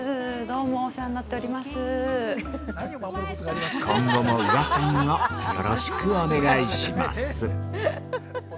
◆今後も宇賀さんをよろしくお願いします。